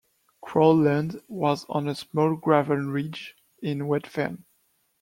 Crowland was on a small gravel ridge in wet fen.